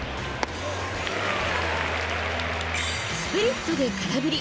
スプリットで空振り。